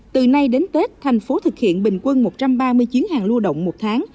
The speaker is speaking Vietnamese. từ nay đến tết thành phố thực hiện bình quân một trăm ba mươi chuyến hàng lưu động một tháng